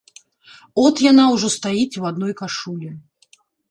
От яна ўжо стаіць у адной кашулі.